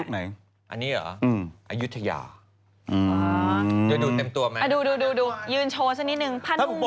พาหนุมสวยมากนี่เค้ามาเย็บสด